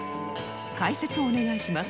解説をお願いします